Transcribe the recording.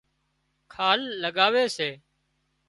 کال لڳاوي سي